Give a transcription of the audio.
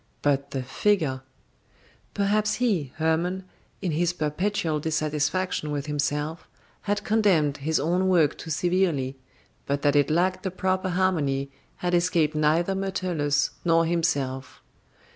But the figure! Perhaps he, Hermon, in his perpetual dissatisfaction with himself had condemned his own work too severely, but that it lacked the proper harmony had escaped neither Myrtilus nor himself.